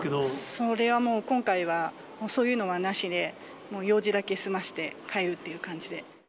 それはもう今回はそういうのはなしで、もう用事だけ済ませて帰るっていう感じで。